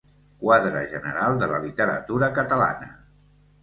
Quadre general de la literatura catalana.